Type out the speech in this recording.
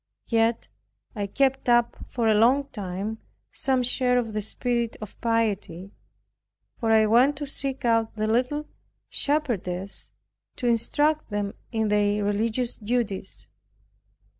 Yet, I kept up for a long time some share of the spirit of piety; for I went to seek out the little shepherdesses, to instruct them in their religious duties.